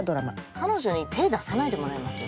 彼女に手出さないでもらえます？